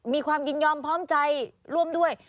มีความยินยอมพร้อมใจร่วมด้วย